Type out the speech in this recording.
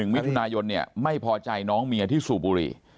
๑วิทยุนายนไม่พอใจน้องเมียที่สู่บุรี